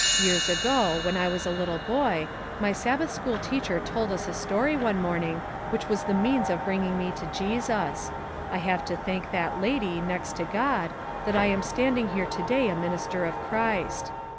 Years ago, when I was a little boy, my Sabbath school teacher told us a story, one morning, which was the means of bringing me to Jesus. I have to thank that lady, next to God, that I am standing here to day a minister of Christ.